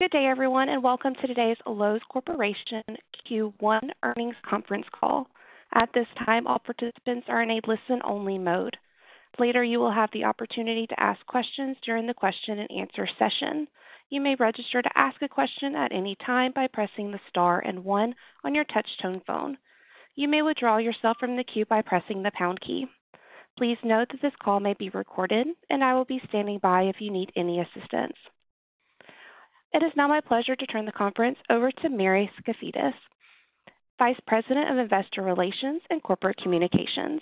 Good day, everyone, and welcome to today's Loews Corporation Q1 earnings conference call. At this time, all participants are in a listen-only mode. Later, you will have the opportunity to ask questions during the question-and-answer session. You may register to ask a question at any time by pressing the star and one on your touchtone phone. You may withdraw yourself from the queue by pressing the pound key. Please note that this call may be recorded, and I will be standing by if you need any assistance. It is now my pleasure to turn the conference over to Mary Skafidas, Vice President of Investor Relations and Corporate Communications.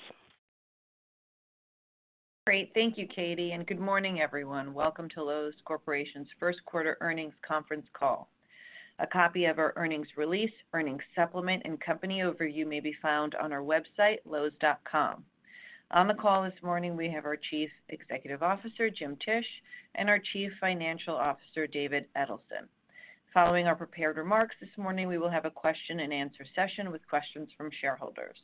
Great. Thank you, Katie, and good morning, everyone. Welcome to Loews Corporation's Q1 earnings conference call. A copy of our earnings release, earnings supplement, and company overview may be found on our website, loews.com. On the call this morning, we have our Chief Executive Officer, Jim Tisch, and our Chief Financial Officer, David Edelson. Following our prepared remarks this morning, we will have a question-and-answer session with questions from shareholders.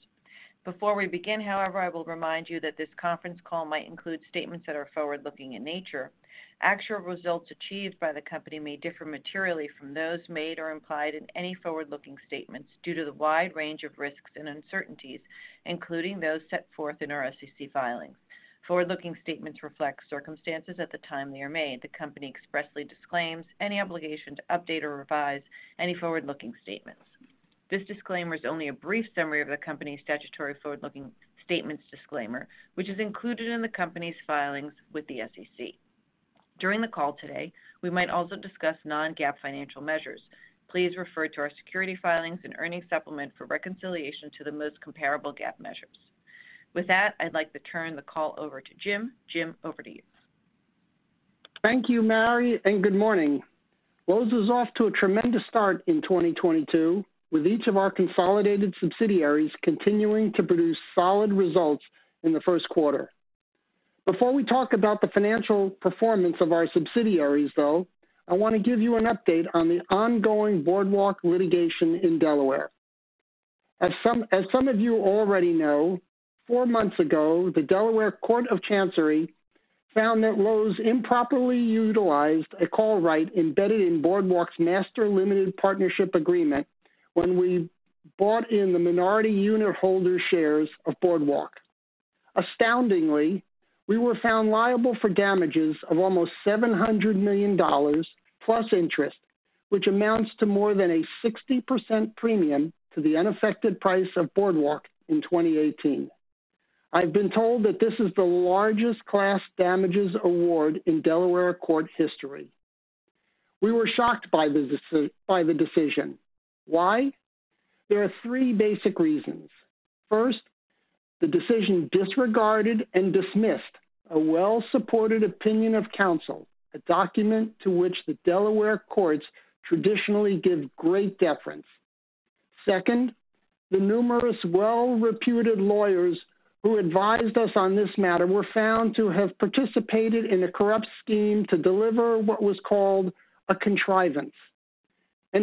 Before we begin, however, I will remind you that this conference call might include statements that are forward-looking in nature. Actual results achieved by the company may differ materially from those made or implied in any forward-looking statements due to the wide range of risks and uncertainties, including those set forth in our SEC filings. Forward-looking statements reflect circumstances at the time they are made. The company expressly disclaims any obligation to update or revise any forward-looking statements. This disclaimer is only a brief summary of the company's statutory forward-looking statements disclaimer, which is included in the company's filings with the SEC. During the call today, we might also discuss non-GAAP financial measures. Please refer to our securities filings and earnings supplement for reconciliation to the most comparable GAAP measures. With that, I'd like to turn the call over to Jim. Jim, over to you. Thank you, Mary, and good morning. Loews is off to a tremendous start in 2022, with each of our consolidated subsidiaries continuing to produce solid results in the Q1. Before we talk about the financial performance of our subsidiaries, though, I wanna give you an update on the ongoing Boardwalk litigation in Delaware. As some of you already know, four months ago, the Delaware Court of Chancery found that Loews improperly utilized a call right embedded in Boardwalk's master limited partnership agreement when we bought in the minority unitholder shares of Boardwalk. Astoundingly, we were found liable for damages of almost $700 million plus interest, which amounts to more than a 60% premium to the unaffected price of Boardwalk in 2018. I've been told that this is the largest class damages award in Delaware court history. We were shocked by the decision. Why? There are three basic reasons. First, the decision disregarded and dismissed a well-supported opinion of counsel, a document to which the Delaware courts traditionally give great deference. Second, the numerous well-reputed lawyers who advised us on this matter were found to have participated in a corrupt scheme to deliver what was called a contrivance.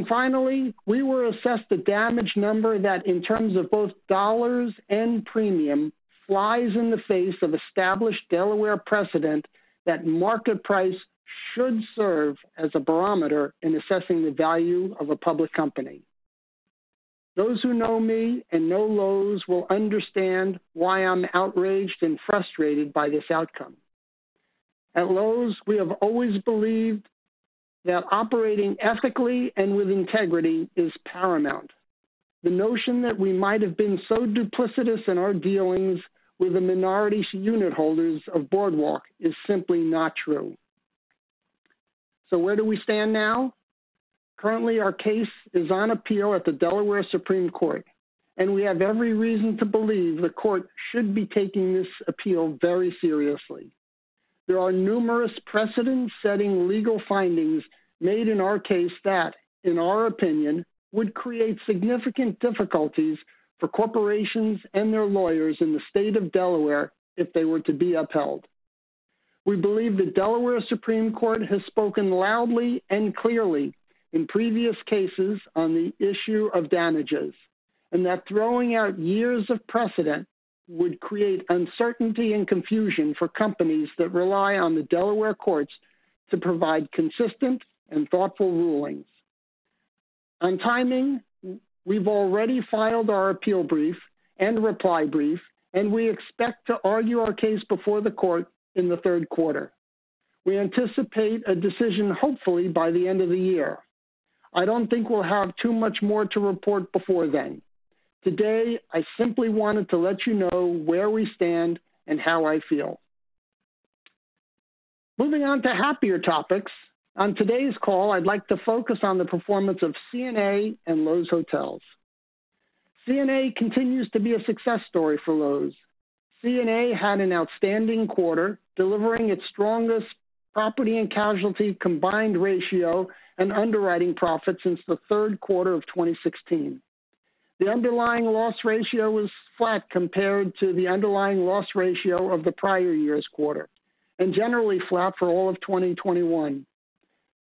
Finally, we were assessed a damage number that in terms of both dollars and premium, flies in the face of established Delaware precedent that market price should serve as a barometer in assessing the value of a public company. Those who know me and know Loews will understand why I'm outraged and frustrated by this outcome. At Loews, we have always believed that operating ethically and with integrity is paramount. The notion that we might have been so duplicitous in our dealings with the minority unitholders of Boardwalk is simply not true. Where do we stand now? Currently, our case is on appeal at the Delaware Supreme Court, and we have every reason to believe the court should be taking this appeal very seriously. There are numerous precedent-setting legal findings made in our case that, in our opinion, would create significant difficulties for corporations and their lawyers in the state of Delaware if they were to be upheld. We believe the Delaware Supreme Court has spoken loudly and clearly in previous cases on the issue of damages, and that throwing out years of precedent would create uncertainty and confusion for companies that rely on the Delaware courts to provide consistent and thoughtful rulings. On timing, we've already filed our appeal brief and reply brief, and we expect to argue our case before the court in the Q3. We anticipate a decision hopefully by the end of the year. I don't think we'll have too much more to report before then. Today, I simply wanted to let you know where we stand and how I feel. Moving on to happier topics, on today's call, I'd like to focus on the performance of CNA and Loews Hotels. CNA continues to be a success story for Loews. CNA had an outstanding quarter, delivering its strongest property and casualty combined ratio and underwriting profit since the Q3 of 2016. The underlying loss ratio was flat compared to the underlying loss ratio of the prior year's quarter, and generally flat for all of 2021.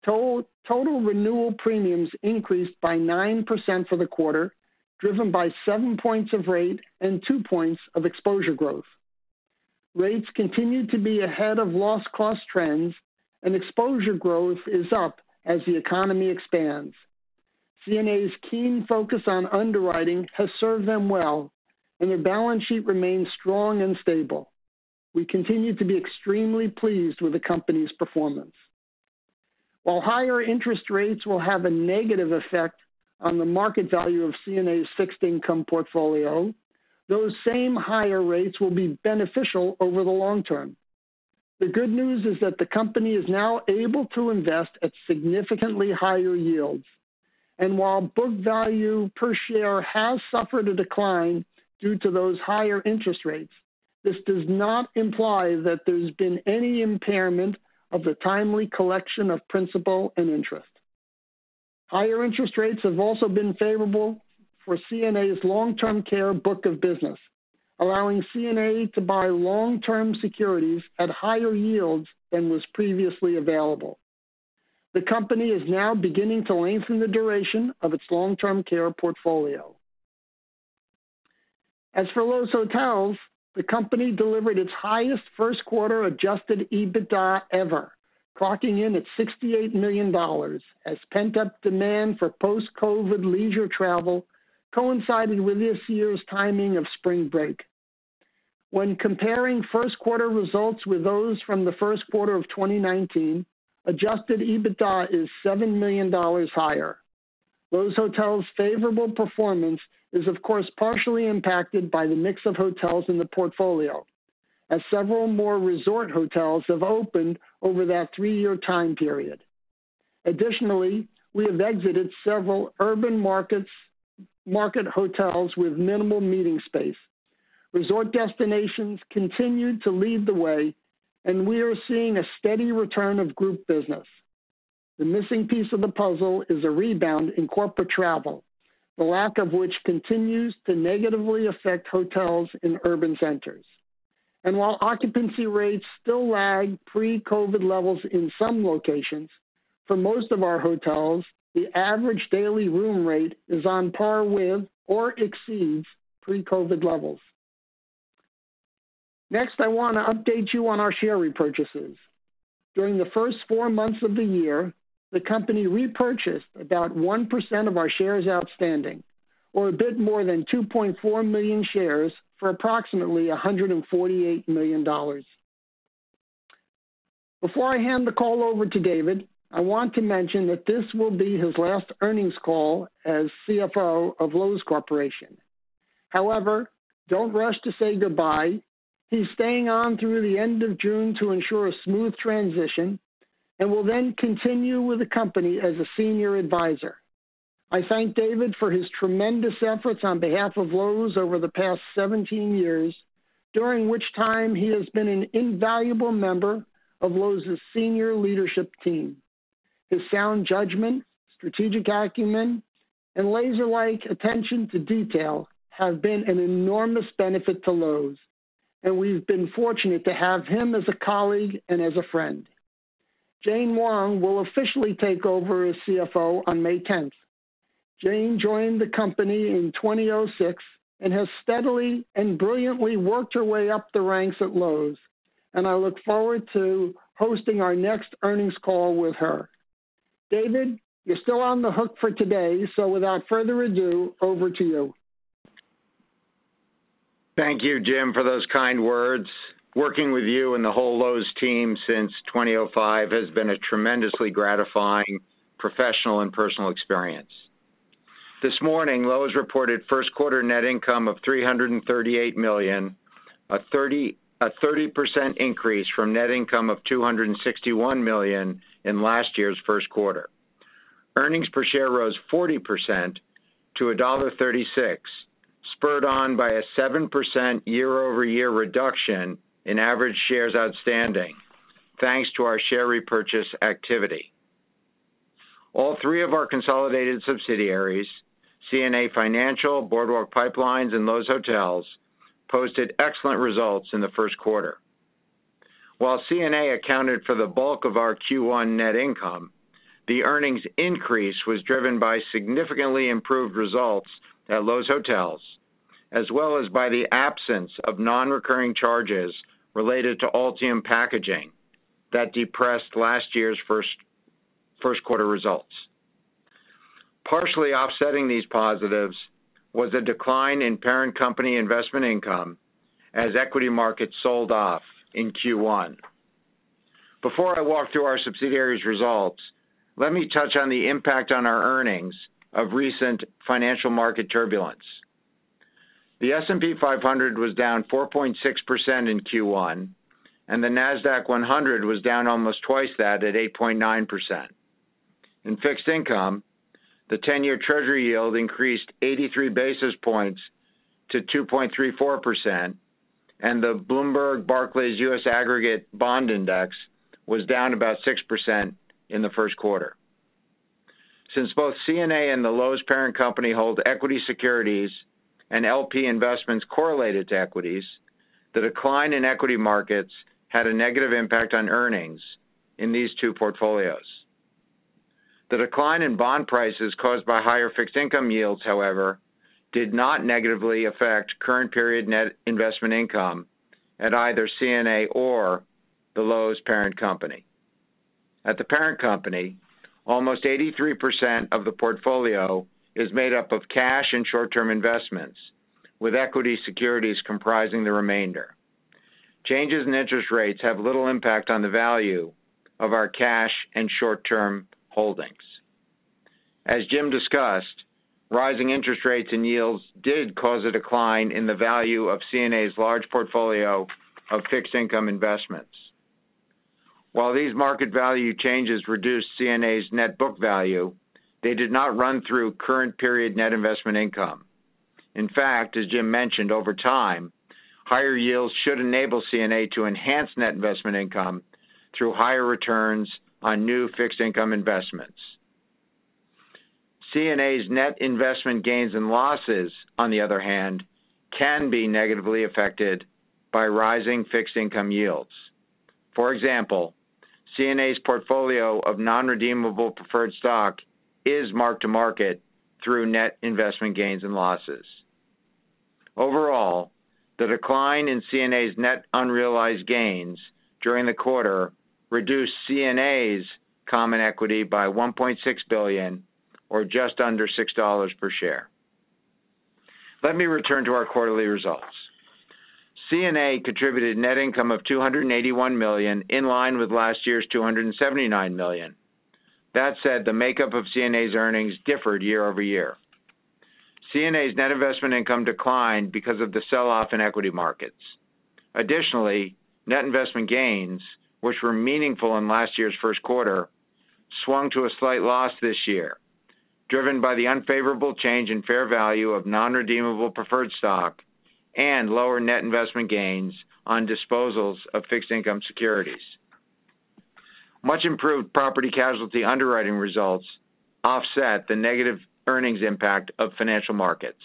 Total renewal premiums increased by 9% for the quarter, driven by seven points of rate and two points of exposure growth. Rates continue to be ahead of loss cost trends and exposure growth is up as the economy expands. CNA's keen focus on underwriting has served them well, and their balance sheet remains strong and stable. We continue to be extremely pleased with the company's performance. While higher interest rates will have a negative effect on the market value of CNA's fixed income portfolio, those same higher rates will be beneficial over the long term. The good news is that the company is now able to invest at significantly higher yields. While book value per share has suffered a decline due to those higher interest rates, this does not imply that there's been any impairment of the timely collection of principal and interest. Higher interest rates have also been favorable for CNA's long-term care book of business, allowing CNA to buy long-term securities at higher yields than was previously available. The company is now beginning to lengthen the duration of its long-term care portfolio. As for Loews Hotels, the company delivered its highest Q1 adjusted EBITDA ever, clocking in at $68 million as pent-up demand for post-COVID leisure travel coincided with this year's timing of spring break. When comparing Q1 results with those from the Q1 of 2019, adjusted EBITDA is $7 million higher. Loews Hotels' favorable performance is of course, partially impacted by the mix of hotels in the portfolio, as several more resort hotels have opened over that three-year time period. Additionally, we have exited several urban market hotels with minimal meeting space. Resort destinations continue to lead the way, and we are seeing a steady return of group business. The missing piece of the puzzle is a rebound in corporate travel, the lack of which continues to negatively affect hotels in urban centers. While occupancy rates still lag pre-COVID levels in some locations, for most of our hotels, the average daily room rate is on par with or exceeds pre-COVID levels. Next, I wanna update you on our share repurchases. During the first four months of the year, the company repurchased about 1% of our shares outstanding or a bit more than 2.4 million shares for approximately $148 million. Before I hand the call over to David, I want to mention that this will be his last earnings call as Chief Financial Officer of Loews Corporation. However, don't rush to say goodbye. He's staying on through the end of June to ensure a smooth transition, and will then continue with the company as a senior advisor. I thank David for his tremendous efforts on behalf of Loews over the past 17 years, during which time he has been an invaluable member of Loews' senior leadership team. His sound judgment, strategic acumen, and laser-like attention to detail have been an enormous benefit to Loews, and we've been fortunate to have him as a colleague and as a friend. Jane Wang will officially take over as Chief Financial Officer on May 10. Jane joined the company in 2006, and has steadily and brilliantly worked her way up the ranks at Loews, and I look forward to hosting our next earnings call with her. David, you're still on the hook for today, so without further ado, over to you. Thank you, Jim, for those kind words. Working with you and the whole Loews team since 2005 has been a tremendously gratifying professional and personal experience. This morning, Loews reported Q1 net income of $338 million, a 30% increase from net income of $261 million in last year's Q1. Earnings per share rose 40% to $1.36, spurred on by a 7% year-over-year reduction in average shares outstanding, thanks to our share repurchase activity. All three of our consolidated subsidiaries, CNA Financial, Boardwalk Pipelines, and Loews Hotels, posted excellent results in the Q1. While CNA accounted for the bulk of our Q1 net income, the earnings increase was driven by significantly improved results at Loews Hotels, as well as by the absence of non-recurring charges related to Altium Packaging that depressed last year's Q1 results. Partially offsetting these positives was a decline in parent company investment income as equity markets sold off in Q1. Before I walk through our subsidiaries' results, let me touch on the impact on our earnings of recent financial market turbulence. The S&P 500 was down 4.6% in Q1, and the Nasdaq-100 was down almost twice that, at 8.9%. In fixed income, the ten-year Treasury yield increased 83 basis points to 2.34%, and the Bloomberg Barclays U.S. Aggregate Bond Index was down about 6% in the Q1. Since both CNA and the Loews parent company hold equity securities and LP investments correlated to equities, the decline in equity markets had a negative impact on earnings in these two portfolios. The decline in bond prices caused by higher fixed income yields, however, did not negatively affect current period net investment income at either CNA or the Loews parent company. At the parent company, almost 83% of the portfolio is made up of cash and short-term investments, with equity securities comprising the remainder. Changes in interest rates have little impact on the value of our cash and short-term holdings. As Jim discussed, rising interest rates and yields did cause a decline in the value of CNA's large portfolio of fixed income investments. While these market value changes reduced CNA's net book value, they did not run through current period net investment income. In fact, as Jim mentioned, over time, higher yields should enable CNA to enhance net investment income through higher returns on new fixed income investments. CNA's net investment gains and losses, on the other hand, can be negatively affected by rising fixed income yields. For example, CNA's portfolio of non-redeemable preferred stock is marked to market through net investment gains and losses. Overall, the decline in CNA's net unrealized gains during the quarter reduced CNA's common equity by $1.6 billion or just under $6 per share. Let me return to our quarterly results. CNA contributed net income of $281 million, in line with last year's $279 million. That said, the makeup of CNA's earnings differed year-over-year. CNA's net investment income declined because of the sell-off in equity markets. Additionally, net investment gains, which were meaningful in last year's Q1, swung to a slight loss this year, driven by the unfavorable change in fair value of non-redeemable preferred stock and lower net investment gains on disposals of fixed income securities. Much improved property casualty underwriting results offset the negative earnings impact of financial markets.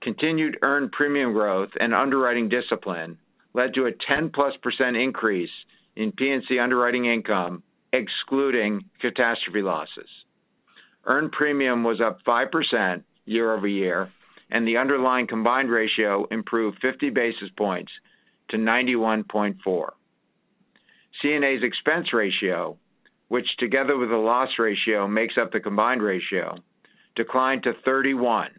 Continued earned premium growth and underwriting discipline led to a 10%+ increase in P&C underwriting income, excluding catastrophe losses. Earned premium was up 5% year-over-year, and the underlying combined ratio improved 50 basis points to 91.4. CNA's expense ratio, which together with the loss ratio makes up the combined ratio, declined to 31%,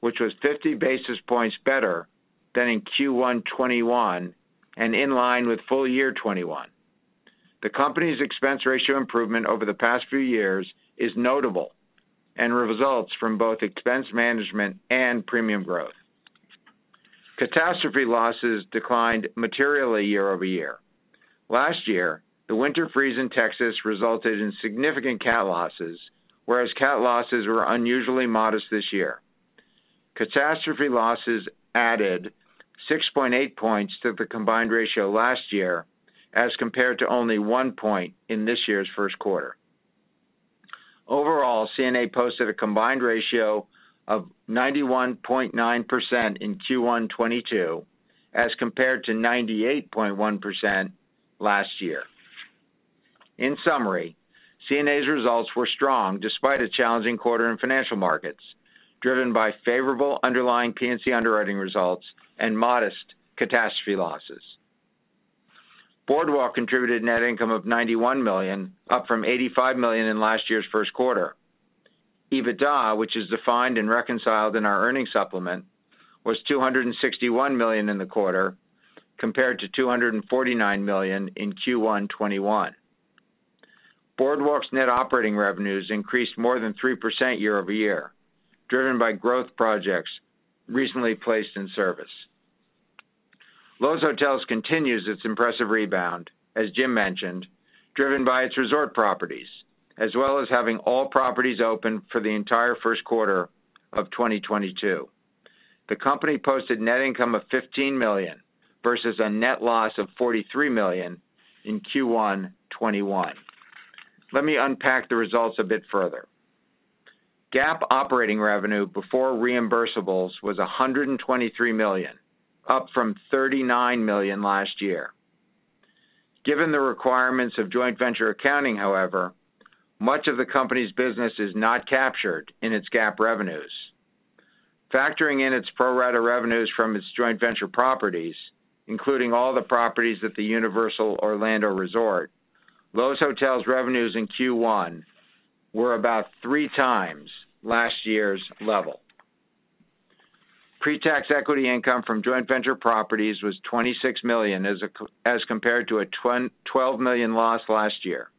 which was 50 basis points better than in Q1 2021 and in line with full year 2021. The company's expense ratio improvement over the past few years is notable and results from both expense management and premium growth. Catastrophe losses declined materially year-over-year. Last year, the winter freeze in Texas resulted in significant cat losses, whereas cat losses were unusually modest this year. Catastrophe losses added 6.8 points to the combined ratio last year as compared to only one point in this year's Q1. Overall, CNA posted a combined ratio of 91.9% in Q1 2022, as compared to 98.1% last year. In summary, CNA's results were strong despite a challenging quarter in financial markets, driven by favorable underlying P&C underwriting results and modest catastrophe losses. Boardwalk contributed net income of $91 million, up from $85 million in last year's Q1. EBITDA, which is defined and reconciled in our earnings supplement, was $261 million in the quarter, compared to $249 million in Q1 2021. Boardwalk's net operating revenues increased more than 3% year-over-year, driven by growth projects recently placed in service. Loews Hotels continues its impressive rebound, as Jim mentioned, driven by its resort properties, as well as having all properties open for the entire Q1 of 2022. The company posted net income of $15 million versus a net loss of $43 million in Q1 2021. Let me unpack the results a bit further. GAAP operating revenue before reimbursables was $123 million, up from $39 million last year. Given the requirements of joint venture accounting, however, much of the company's business is not captured in its GAAP revenues. Factoring in its pro rata revenues from its joint venture properties, including all the properties at the Universal Orlando Resort, Loews Hotels revenues in Q1 were about 3x last year's level. Pre-tax equity income from joint venture properties was $26 million as compared to a $12 million loss last year.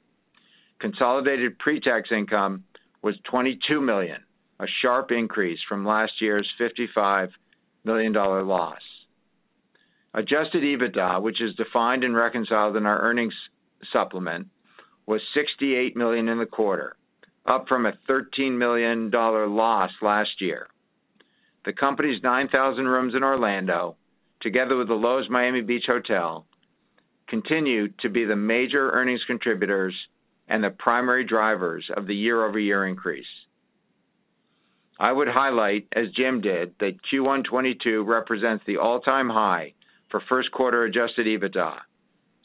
Consolidated pre-tax income was $22 million, a sharp increase from last year's $55 million loss. Adjusted EBITDA, which is defined and reconciled in our earnings supplement, was $68 million in the quarter, up from a $13 million loss last year. The company's 9,000 rooms in Orlando, together with the Loews Miami Beach Hotel, continue to be the major earnings contributors and the primary drivers of the year-over-year increase. I would highlight, as Jim did, that Q1 2022 represents the all-time high for Q1 adjusted EBITDA,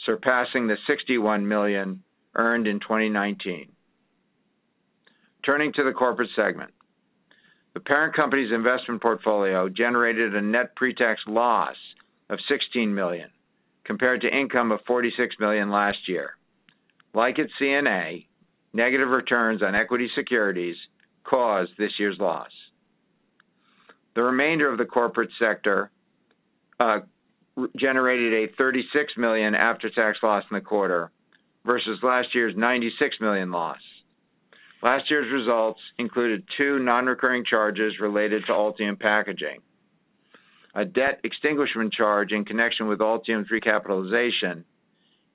surpassing the $61 million earned in 2019. Turning to the corporate segment. The parent company's investment portfolio generated a net pre-tax loss of $16 million, compared to income of $46 million last year. Like CNA, negative returns on equity securities caused this year's loss. The remainder of the corporate sector generated a $36 million after-tax loss in the quarter versus last year's $96 million loss. Last year's results included two non-recurring charges related to Altium Packaging, a debt extinguishment charge in connection with Altium Packaging's recapitalization,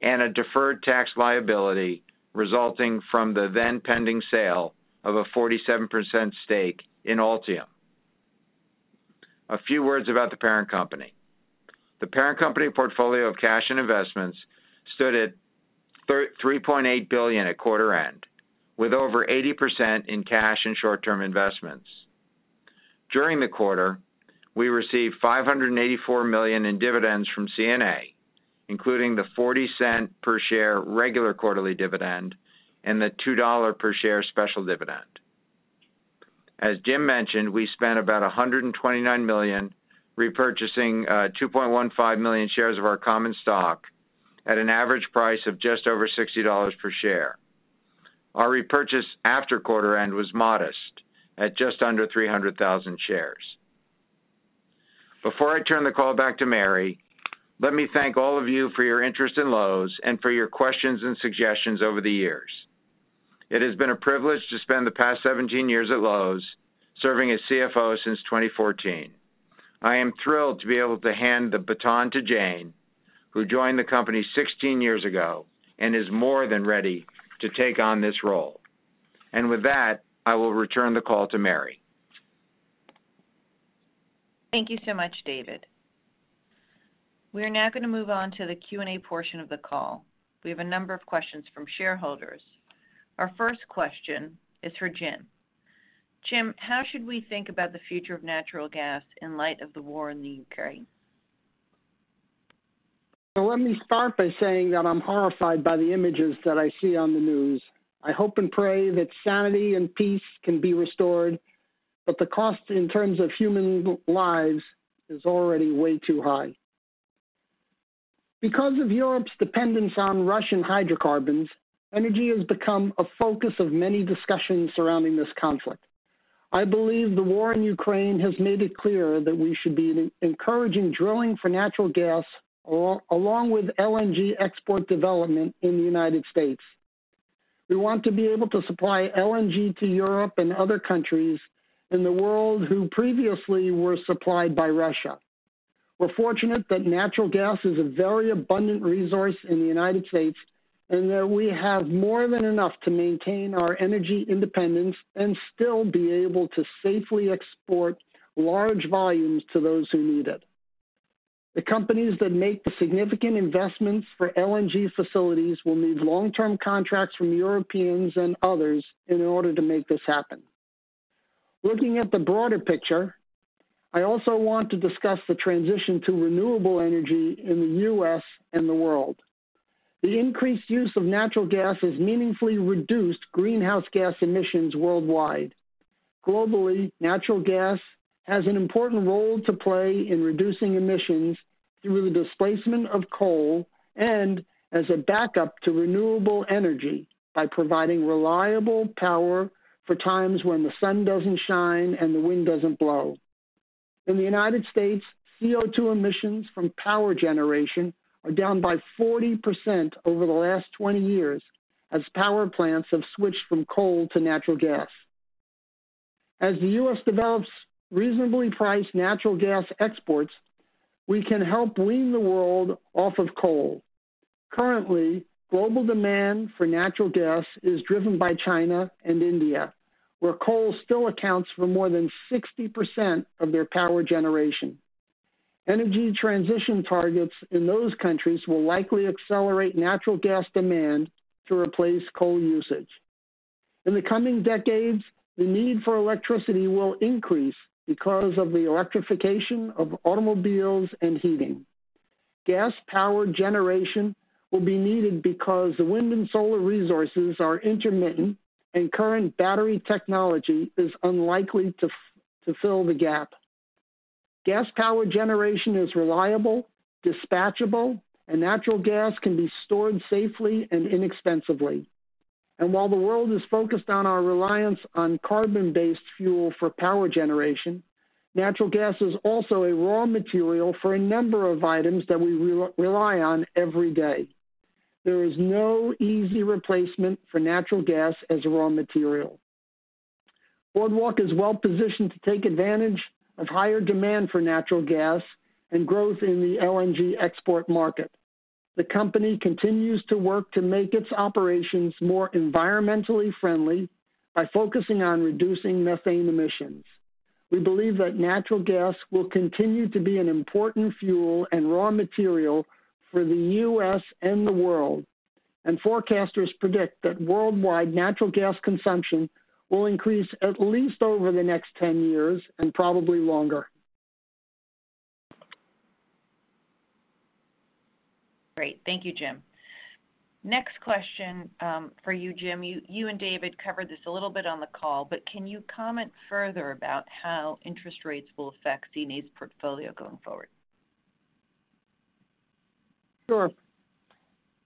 and a deferred tax liability resulting from the then-pending sale of a 47% stake in Altium Packaging. A few words about the parent company. The parent company portfolio of cash and investments stood at $3.8 billion at quarter end, with over 80% in cash and short-term investments. During the quarter, we received $584 million in dividends from CNA, including the $0.40 per share regular quarterly dividend and the $2 per share special dividend. As Jim mentioned, we spent about $129 million repurchasing 2.15 million shares of our common stock at an average price of just over $60 per share. Our repurchase after quarter end was modest at just under 300,000 shares. Before I turn the call back to Mary, let me thank all of you for your interest in Loews and for your questions and suggestions over the years. It has been a privilege to spend the past 17 years at Loews, serving as CFO since 2014. I am thrilled to be able to hand the baton to Jane, who joined the company 16 years ago and is more than ready to take on this role. With that, I will return the call to Mary. Thank you so much, David. We are now gonna move on to the Q&A portion of the call. We have a number of questions from shareholders. Our first question is for Jim. Jim, how should we think about the future of natural gas in light of the war in the Ukraine? Let me start by saying that I'm horrified by the images that I see on the news. I hope and pray that sanity and peace can be restored, but the cost in terms of human lives is already way too high. Because of Europe's dependence on Russian hydrocarbons, energy has become a focus of many discussions surrounding this conflict. I believe the war in Ukraine has made it clear that we should be encouraging drilling for natural gas along with LNG export development in the United States. We want to be able to supply LNG to Europe and other countries in the world who previously were supplied by Russia. We're fortunate that natural gas is a very abundant resource in the United States, and that we have more than enough to maintain our energy independence and still be able to safely export large volumes to those who need it. The companies that make the significant investments for LNG facilities will need long-term contracts from Europeans and others in order to make this happen. Looking at the broader picture, I also want to discuss the transition to renewable energy in the U.S. and the world. The increased use of natural gas has meaningfully reduced greenhouse gas emissions worldwide. Globally, natural gas has an important role to play in reducing emissions through the displacement of coal and as a backup to renewable energy by providing reliable power for times when the sun doesn't shine and the wind doesn't blow. In the United States, CO2 emissions from power generation are down by 40% over the last 20 years as power plants have switched from coal to natural gas. As the U.S. develops reasonably priced natural gas exports, we can help wean the world off of coal. Currently, global demand for natural gas is driven by China and India, where coal still accounts for more than 60% of their power generation. Energy transition targets in those countries will likely accelerate natural gas demand to replace coal usage. In the coming decades, the need for electricity will increase because of the electrification of automobiles and heating. Gas-powered generation will be needed because the wind and solar resources are intermittent and current battery technology is unlikely to fill the gap. Gas-powered generation is reliable, dispatchable, and natural gas can be stored safely and inexpensively. While the world is focused on our reliance on carbon-based fuel for power generation, natural gas is also a raw material for a number of items that we rely on every day. There is no easy replacement for natural gas as a raw material. Boardwalk is well-positioned to take advantage of higher demand for natural gas and growth in the LNG export market. The company continues to work to make its operations more environmentally friendly by focusing on reducing methane emissions. We believe that natural gas will continue to be an important fuel and raw material for the U.S. and the world. Forecasters predict that worldwide natural gas consumption will increase at least over the next 10 years and probably longer. Great. Thank you, Jim. Next question for you, Jim. You and David covered this a little bit on the call, but can you comment further about how interest rates will affect CNA's portfolio going forward? Sure.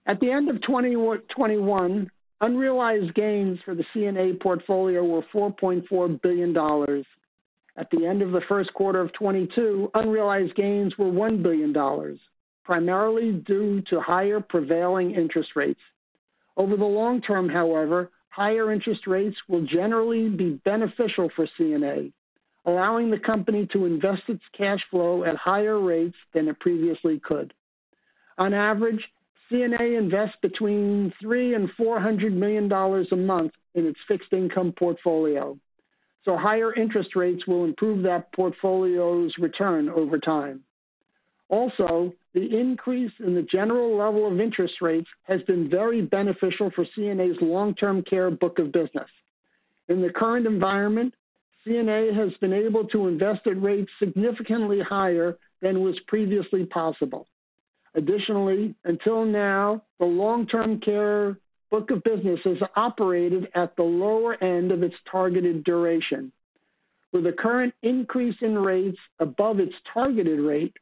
At the end of 2021, unrealized gains for the CNA portfolio were $4.4 billion. At the end of theQ1 of 2022, unrealized gains were $1 billion, primarily due to higher prevailing interest rates. Over the long term, however, higher interest rates will generally be beneficial for CNA, allowing the company to invest its cash flow at higher rates than it previously could. On average, CNA invests between $300 million and $400 million a month in its fixed income portfolio. Higher interest rates will improve that portfolio's return over time. Also, the increase in the general level of interest rates has been very beneficial for CNA's long-term care book of business. In the current environment, CNA has been able to invest at rates significantly higher than was previously possible. Additionally, until now, the long-term care book of business has operated at the lower end of its targeted duration. With the current increase in rates above its targeted rate,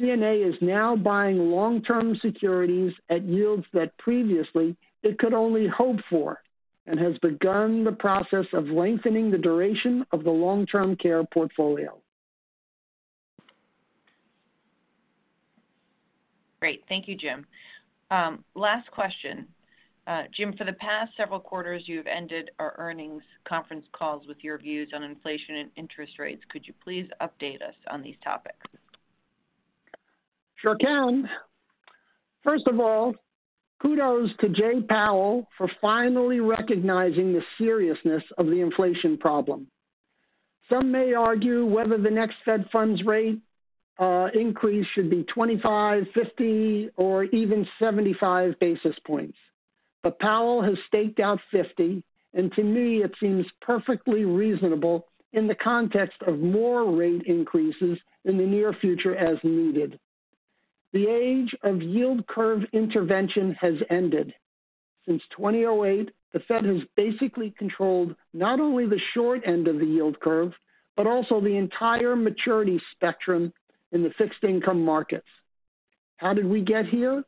CNA is now buying long-term securities at yields that previously it could only hope for and has begun the process of lengthening the duration of the long-term care portfolio. Great. Thank you, Jim. Last question. Jim, for the past several quarters, you've ended our earnings conference calls with your views on inflation and interest rates. Could you please update us on these topics? Sure can. First of all, kudos to Jay Powell for finally recognizing the seriousness of the inflation problem. Some may argue whether the next Fed funds rate increase should be 25 basis points, 50 basis points, or even 75 basis points. Powell has staked out 50 basis points, and to me, it seems perfectly reasonable in the context of more rate increases in the near future as needed. The age of yield curve intervention has ended. Since 2008, the Fed has basically controlled not only the short end of the yield curve, but also the entire maturity spectrum in the fixed income markets. How did we get here?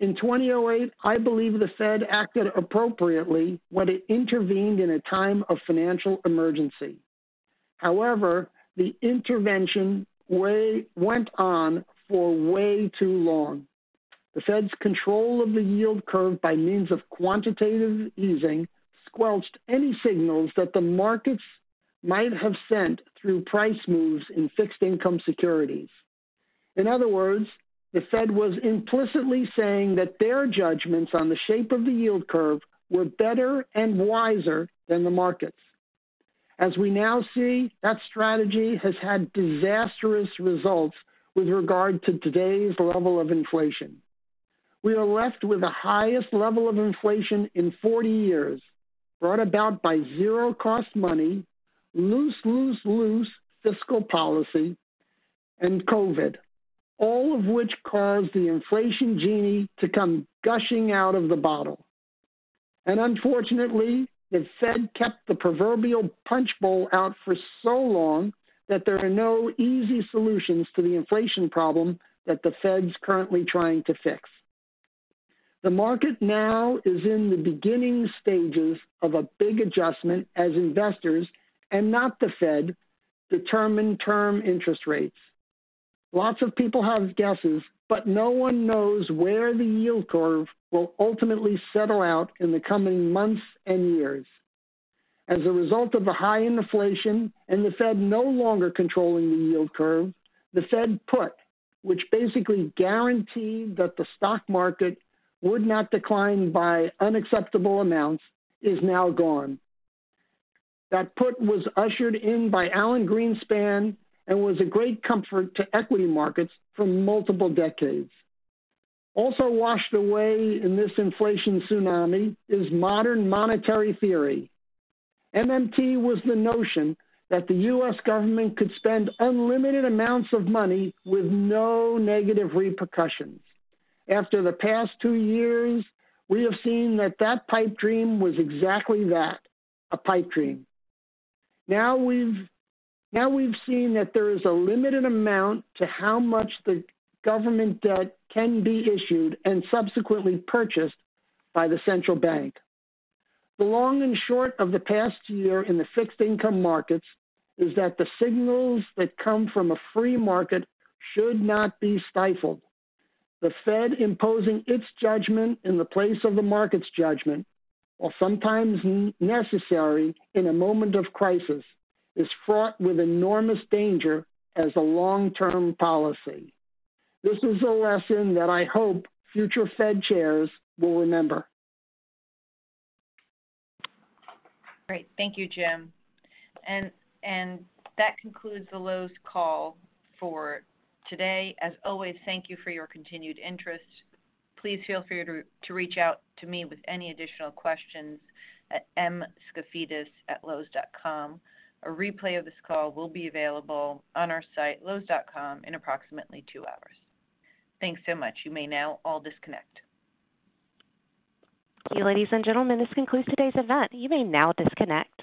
In 2008, I believe the Fed acted appropriately when it intervened in a time of financial emergency. However, the intervention went on for way too long. The Fed's control of the yield curve by means of Quantitative Easing squelched any signals that the markets might have sent through price moves in fixed income securities. In other words, the Fed was implicitly saying that their judgments on the shape of the yield curve were better and wiser than the markets. As we now see, that strategy has had disastrous results with regard to today's level of inflation. We are left with the highest level of inflation in 40 years, brought about by zero cost money, loose fiscal policy, and COVID, all of which caused the inflation genie to come gushing out of the bottle. Unfortunately, the Fed kept the proverbial punch bowl out for so long that there are no easy solutions to the inflation problem that the Fed's currently trying to fix. The market now is in the beginning stages of a big adjustment as investors, and not the Fed, determine term interest rates. Lots of people have guesses, but no one knows where the yield curve will ultimately settle out in the coming months and years. As a result of the high inflation and the Fed no longer controlling the yield curve, the Fed put, which basically guaranteed that the stock market would not decline by unacceptable amounts, is now gone. That put was ushered in by Alan Greenspan and was a great comfort to equity markets for multiple decades. Also washed away in this inflation tsunami is Modern Monetary Theory. MMT was the notion that the U.S. government could spend unlimited amounts of money with no negative repercussions. After the past two years, we have seen that pipe dream was exactly that, a pipe dream. Now we've seen that there is a limited amount to how much the government debt can be issued and subsequently purchased by the central bank. The long and short of the past year in the fixed income markets is that the signals that come from a free market should not be stifled. The Fed imposing its judgment in the place of the market's judgment, while sometimes necessary in a moment of crisis, is fraught with enormous danger as a long-term policy. This is a lesson that I hope future Fed chairs will remember. Great. Thank you, Jim. That concludes the Loews call for today. As always, thank you for your continued interest. Please feel free to reach out to me with any additional questions at ir@loews.com. A replay of this call will be available on our site, loews.com in approximately two hours. Thanks so much. You may now all disconnect. Thank you ladies and gentlemen. This concludes today's event. You may now disconnect.